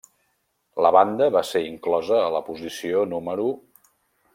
La banda va ser inclosa a la posició No.